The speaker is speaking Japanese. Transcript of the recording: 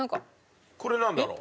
これなんだろう？